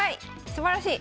すばらしい！